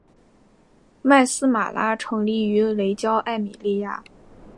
麦丝玛拉成立于雷焦艾米利亚。